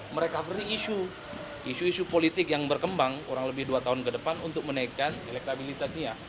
mereka beri isu isu politik yang berkembang kurang lebih dua tahun ke depan untuk menaikkan elektabilitasnya